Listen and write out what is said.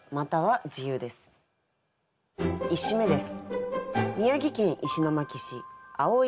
１首目です。